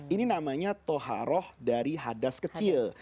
ini namanya toharoh dari hadas kecil